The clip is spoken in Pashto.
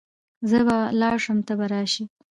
زه به ولاړ سم ته به راسي .